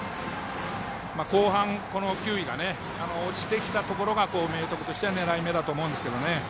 後半、球威が落ちてきたところが明徳としては狙い目だと思いますけどね。